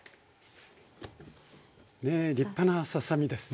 ねえ立派なささ身ですね。